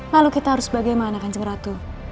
lalu kita harus bagaimana kanjeng ratu